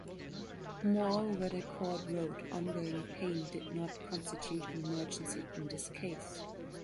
Moreover, the Court wrote, ongoing pain did not constitute an emergency in this case.